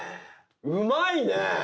うまいね！